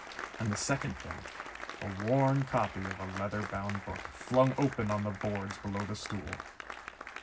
And the second thing a worn copy of a leather bound book, flung open on the boards below the stool!